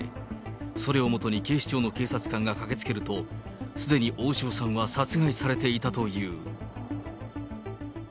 それをもとに警視庁の警察官が駆けつけると、すでに大塩さんは殺害されていたという。